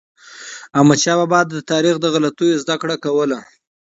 احمدشاه بابا به د تاریخ له غلطیو زدهکړه کوله.